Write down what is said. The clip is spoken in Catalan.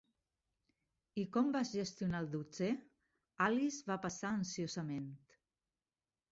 I com vas gestionar el dotzè? Alice va passar ansiosament.